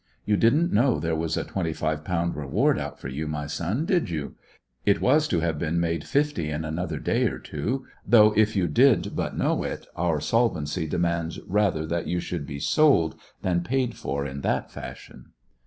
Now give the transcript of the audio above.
"You didn't know there was a twenty five pound reward out for you, my son, did you? It was to have been made fifty in another day or two; though, if you did but know it, our solvency demands rather that you should be sold, than paid for in that fashion."